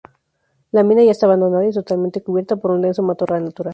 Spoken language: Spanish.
La mina ya está abandonada y totalmente cubierta por un denso matorral natural.